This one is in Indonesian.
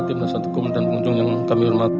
timnasatukum dan pengunjung yang kami hormati